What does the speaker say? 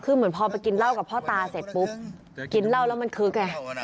คือเหมือนพอไปกินเหล้ากับพ่อตาเสร็จปุ๊บกินเหล้าแล้วมันคึกไง